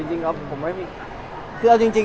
เออจริงผมก็ไม่รู้ว่าควรจะรู้